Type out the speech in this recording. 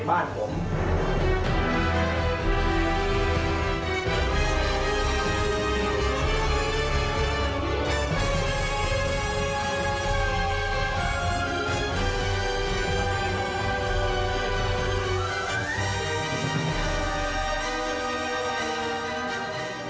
เป็นสิ่งที่